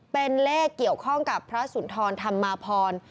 เป็นเลขเกี่ยวข้องกับพระสุนทรธรรมาพร